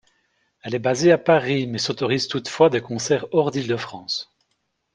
Elle est basée à Paris, mais s'autorise toutefois des concerts hors d'Île-de-France.